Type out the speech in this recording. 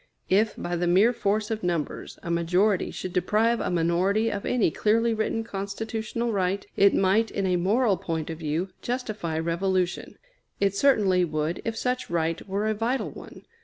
If, by the mere force of numbers, a majority should deprive a minority of any clearly written constitutional right, it might, in a moral point of view, justify revolution; it certainly would if such right were a vital one.